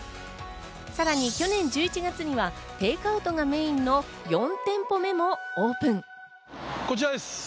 さらに去年１１月にはテイクアウトがメインの４店舗目もオープン。